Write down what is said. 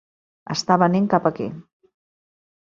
Està venint cap aquí.